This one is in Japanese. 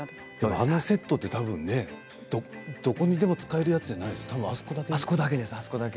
あのセットとどこにでも使えるやつじゃないですね、あそこだけ？